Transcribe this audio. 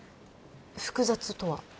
複雑とは？